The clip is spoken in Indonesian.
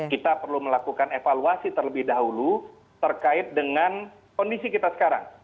kita perlu melakukan evaluasi terlebih dahulu terkait dengan kondisi kita sekarang